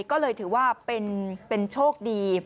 ก็เลยถือว่าเป็นโชคดี